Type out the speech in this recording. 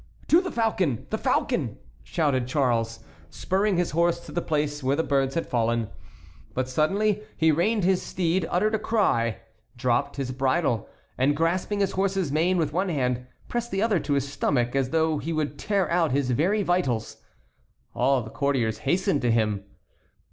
"To the falcon! the falcon!" shouted Charles, spurring his horse to the place where the birds had fallen. But suddenly he reined in his steed, uttered a cry, dropped his bridle, and grasping his horse's mane with one hand pressed the other to his stomach as though he would tear out his very vitals. All the courtiers hastened to him.